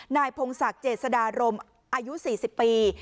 พงศักดิ์เจษดารมอายุ๔๐ปี